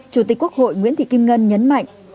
chủ tịch quốc hội nguyễn thị kim ngân nhấn mạnh